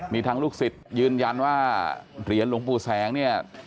มีทั้งลูกศิษย์ยืนยันว่าเหรียญหลวงปู่แสงเนี่ย